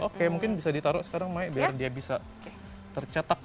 oke mungkin bisa ditaruh sekarang maya biar dia bisa tercetak